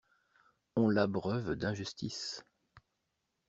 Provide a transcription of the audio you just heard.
On l'abreuve d'injustices!